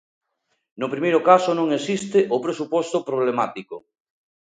No primeiro caso non existe o presuposto problemático.